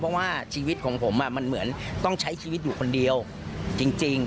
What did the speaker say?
เพราะว่าชีวิตของผมมันเหมือนต้องใช้ชีวิตอยู่คนเดียวจริง